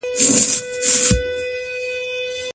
تاسو به له بې ځایه لګښتونو څخه ډډه کوئ.